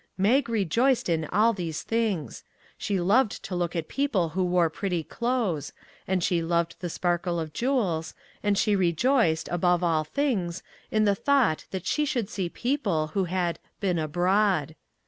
Mag rejoiced in all these things. She loved to look at people who wore pretty clothes, and she loved the sparkle of jewels, and she rejoiced, above all things, in the thought that she should see people who had " been abroad."